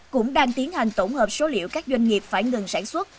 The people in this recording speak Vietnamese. cũng đang tiến hành tổng hợp số liệu các doanh nghiệp phải ngừng sản xuất